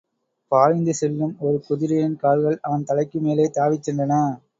பாய்ந்து செல்லும் ஒரு குதிரையின் கால்கள் அவன் தலைக்கு மேலே தாவிச்சென்றன.